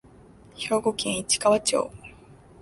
兵庫県市川町